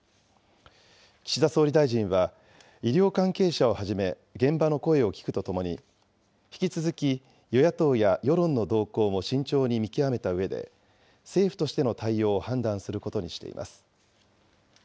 岸田総理大臣は、医療関係者をはじめ、現場の声を聞くとともに、引き続き与野党や世論の動向も慎重に見極めたうえで、政府としての対応を判断することにしています。